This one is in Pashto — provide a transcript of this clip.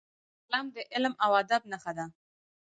قلم د علم او ادب نښه ده